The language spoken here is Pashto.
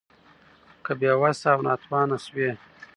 که بې وسه او ناتوانه شوې